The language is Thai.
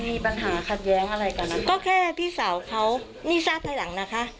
มีปัญหาขัดแย้งอะไรกันนะคะก็แค่พี่สาวเขานี่ทราบภายหลังนะคะ